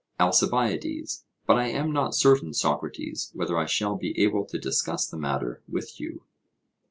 ALCIBIADES: But I am not certain, Socrates, whether I shall be able to discuss the matter with you.